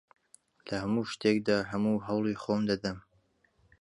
لە هەموو شتێکدا هەموو هەوڵی خۆم دەدەم.